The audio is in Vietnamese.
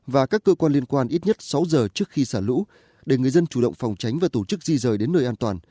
và các cơ quan liên quan ít nhất sáu giờ trước khi xả lũ để người dân chủ động phòng tránh và tổ chức di rời đến nơi an toàn